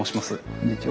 こんにちは。